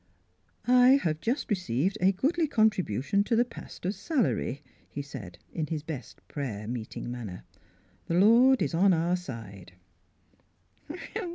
" I have just received a goodly contri TDution to the pastor's salary," he said, in his best prayer meeting manner. " The Lord is on our side